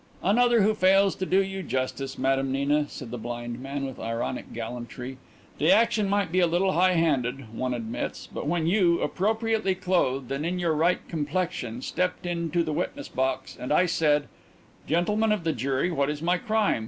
"Another who fails to do you justice, Madame Nina," said the blind man, with ironic gallantry. "The action might be a little high handed, one admits, but when you, appropriately clothed and in your right complexion, stepped into the witness box and I said: 'Gentlemen of the jury, what is my crime?